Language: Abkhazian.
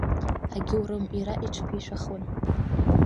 Агьоурым, иара иҽԥишәахуан.